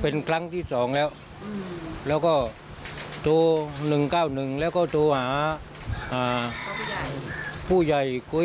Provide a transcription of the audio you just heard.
เป็นครั้งที่๒แล้วแล้วก็โทร๑๙๑แล้วก็โทรหาผู้ใหญ่กุ้ย